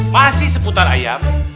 masih seputar ayam